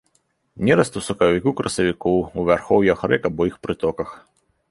Нераст у сакавіку-красавіку ў вярхоўях рэк або іх прытоках.